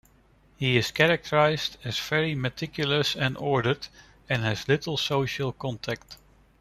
He is characterized as very meticulous and ordered and has little social contact.